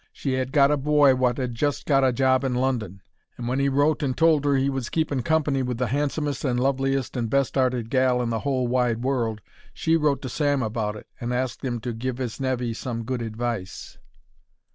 She 'ad got a boy wot 'ad just got a job in London, and when 'e wrote and told 'er he was keeping company with the handsomest and loveliest and best 'arted gal in the whole wide world, she wrote to Sam about it and asked 'im to give 'is nevy some good advice.